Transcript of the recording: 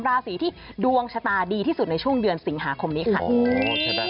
ราศีที่ดวงชะตาดีที่สุดในช่วงเดือนสิงหาคมนี้ค่ะ